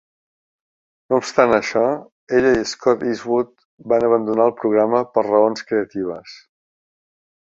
No obstant això, ella i Scott Eastwood van abandonar el programa per raons creatives.